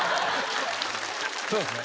そうですね。